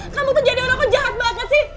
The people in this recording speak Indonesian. kamu tuh jadi orang jahat banget sih